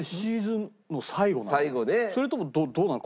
それともどうなの？